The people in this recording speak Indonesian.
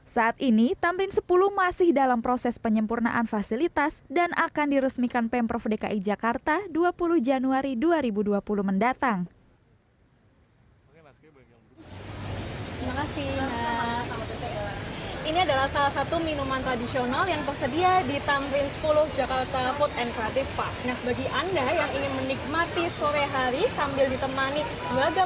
saat ini tamrin sepuluh masih dalam proses penyempurnaan fasilitas dan akan diresmikan pemprov dki jakarta dua puluh januari dua ribu dua puluh mendatang